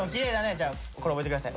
じゃあこれ覚えて下さい。